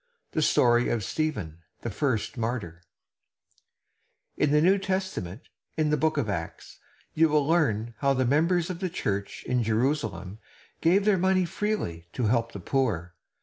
THE STORY OF STEPHEN, THE FIRST MARTYR In the New Testament, in the book of Acts, you will learn how the members of the church in Jerusalem gave their money freely to help the poor.